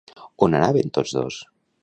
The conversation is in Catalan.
On anaven tots dos?